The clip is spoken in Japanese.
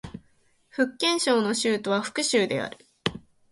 福建省の省都は福州である